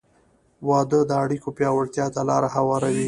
• واده د اړیکو پیاوړتیا ته لار هواروي.